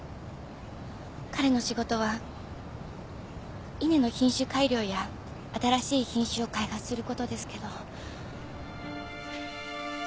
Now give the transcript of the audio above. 彼の仕事は稲の品種改良や新しい品種を開発することですけど。